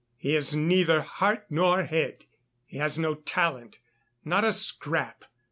He has neither heart nor head. He has no talent, not a scrap.